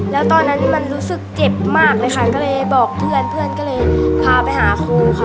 แล้วตอนนั้นมันรู้สึกเจ็บมากเลยค่ะก็เลยบอกเพื่อนเพื่อนก็เลยพาไปหาครูค่ะ